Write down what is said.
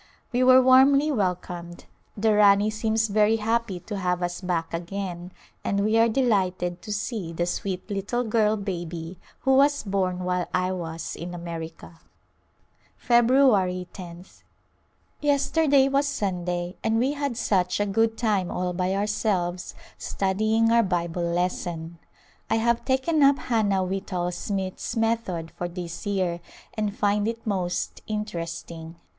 We were warmly welcomed ; the Rani seems very happy to have us back again, and we are delighted to see the sweet little girl baby who was born while I was in America. [ 199] A Glimpse of India February loth. Yesterday was Sunday, and we had such a good time all by ourselves studying our Bible lesson. I have taken up Hannah Whitall Smith's method for this year and find it most interesting.